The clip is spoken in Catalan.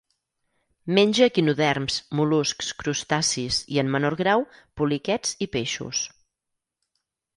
Menja equinoderms, mol·luscs, crustacis i, en menor grau, poliquets i peixos.